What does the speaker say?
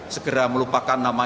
segera melupakan namanya kemampuan